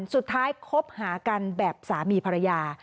สุดท้ายคบหากันแบบสามีภรรยา